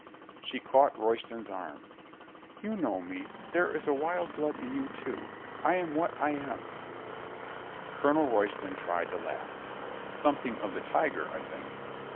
She caught Royston's arm. "You know me. There is wild blood in you, too. I am what I am." Colonel Royston tried to laugh. "Something of the tiger, I think."